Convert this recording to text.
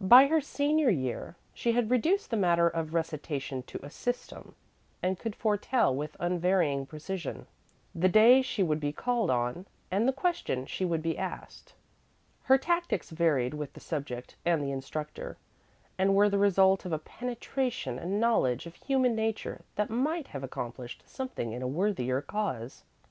By her senior year she had reduced the matter of recitation to a system, and could foretell with unvarying precision the day she would be called on and the question she would be asked. Her tactics varied with the subject and the instructor, and were the result of a penetration and knowledge of human nature that might have accomplished something in a worthier cause.